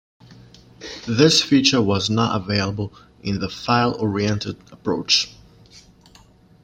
This feature was not available in the file oriented approach.